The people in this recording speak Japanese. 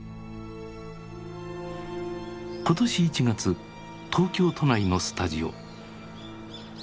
今年１月東京都内のスタジオ。